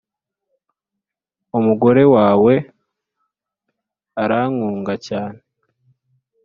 umugore wawe arankunga cyane